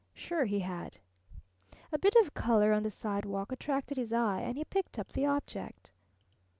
Sure, he had. A bit of colour on the sidewalk attracted his eye, and he picked up the object.